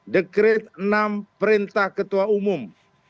dekret enam perintah ketua umum